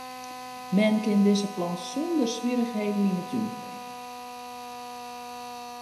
Men kin dizze plant sonder swierrichheden yn 'e tún kweke.